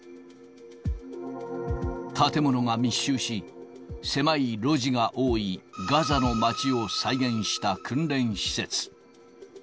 建物が密集し、狭い路地が多いガザの街を再現した訓練施設。